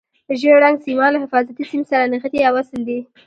ژیړ رنګ سیمان له حفاظتي سیم سره نښتي یا وصل دي.